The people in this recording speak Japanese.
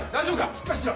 しっかりしろ！